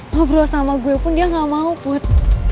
ngobrol sama gue pun dia gak mau put